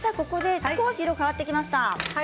色が変わってきました。